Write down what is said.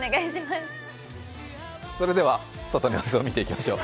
それでは外の様子を見ていきましょう。